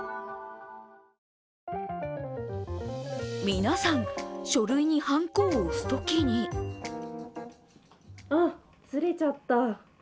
皆さん、書類にはんこを押すときにあ、ずれちゃった。